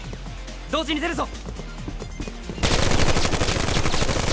同時に出るぞ！